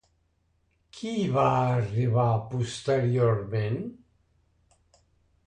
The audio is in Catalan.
Qui va arribar posteriorment?